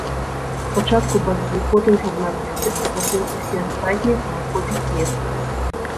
Спачатку бакі, потым журналісты, затым усе астатнія, каму хопіць месца.